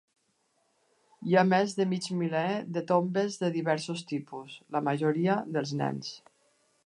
Hi ha més de mig miler de tombes de diversos tipus, la majoria dels nens.